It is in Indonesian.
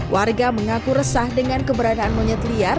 warga mengaku resah dengan keberadaan monyet liar